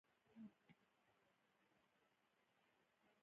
د خپل تاریخ مطالعه وکړئ.